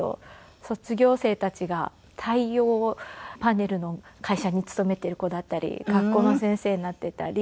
卒業生たちが太陽パネルの会社に勤めている子だったり学校の先生になっていたり。